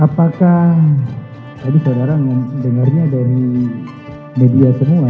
apakah tadi saudara mendengarnya dari media semua